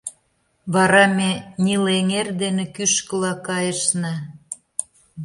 Вара ме Нил эҥер дене кӱшкыла кайышна.